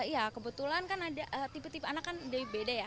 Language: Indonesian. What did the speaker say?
ya kebetulan kan ada tipe tipe anak kan beda ya